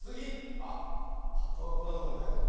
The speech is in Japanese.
あっはっぱがこんなとこにはえてるね。